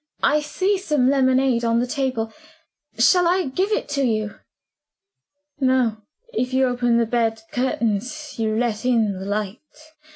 I see some lemonade on the table. Shall I give it to you?" "No! If you open the bed curtains, you let in the light.